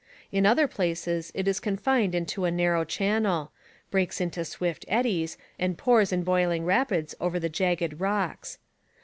In other places it is confined into a narrow channel, breaks into swift eddies and pours in boiling rapids over the jagged rocks.